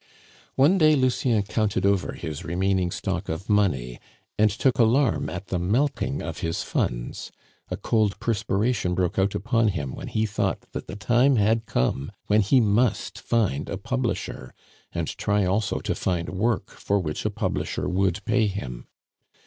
One day Lucien counted over his remaining stock of money, and took alarm at the melting of his funds; a cold perspiration broke out upon him when he thought that the time had come when he must find a publisher, and try also to find work for which a publisher would pay him.